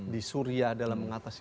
di suria dalam mengatasi